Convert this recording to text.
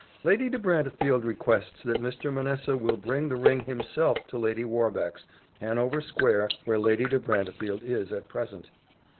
"Lady de Brantefield requests that Mr. Manessa will bring the ring himself to Lady Warbeck's, Hanover square, where Lady de Brantefield is at present.